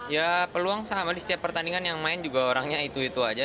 ya peluang sama di setiap pertandingan yang main juga orangnya itu itu aja